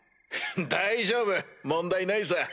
大丈夫問題ないさ。